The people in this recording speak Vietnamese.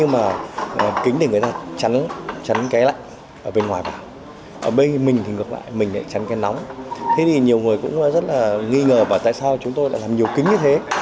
mọi người cũng rất là nghi ngờ tại sao chúng tôi lại làm nhiều kính như thế